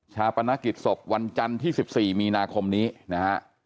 ปนกิจศพวันจันทร์ที่๑๔มีนาคมนี้นะฮะ